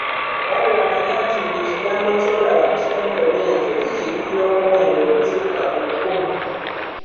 Wabula manya nti buli kigambo ky’olaba mu kitontome ekyo kikiikirira muwendo ogusukka ku kkumi.